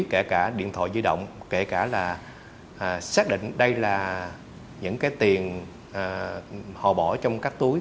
kể cả điện thoại di động kể cả là xác định đây là những cái tiền hồ bỏ trong các túi